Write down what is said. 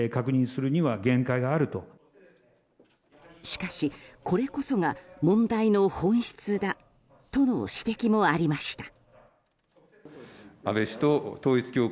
しかし、これこそが問題の本質だとの指摘もありました。